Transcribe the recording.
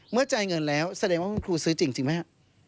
เมื่อจ่ายเงินแล้วแสดงว่าคุณครูซื้อจริงจริงไหมครับ